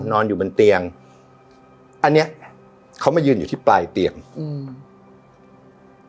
นอนอยู่บนเตียงอันเนี้ยเขามายืนอยู่ที่ปลายเตียงอืม